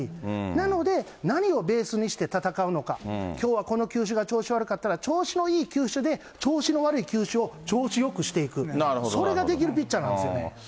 なので、何をベースにして戦うのか、きょうはこの球種が調子が悪かったら、調子のいい球種で、調子の悪い球種を調子よくいく、それができるピッチャーなんですよね。